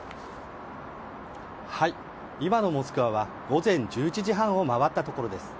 今のモスクワは午前１１時半を回ったところです。